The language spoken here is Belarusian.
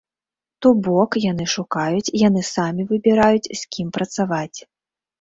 То бок, яны шукаюць, яны самі выбіраюць, з кім працаваць.